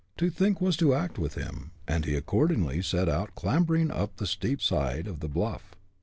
To think was to act with him, and he accordingly set out clambering up the steep side of the bluff.